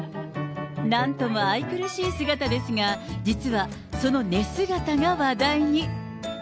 なんとも愛くるしい姿ですが、実は、その寝姿が話題に。